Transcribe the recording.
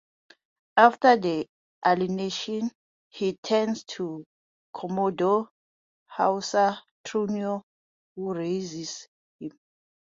After their alienation, he turns to Commodore Hawser Trunnion, who raises him.